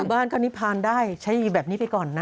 อยู่บ้านก้วันนี้พาได้ใช้แบบนี้ไปก่อนนะ